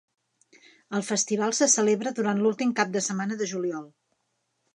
El festival se celebra durant l'últim cap de setmana de juliol.